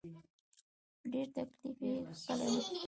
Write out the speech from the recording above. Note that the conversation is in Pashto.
ډېر تکليف یې کشلی و.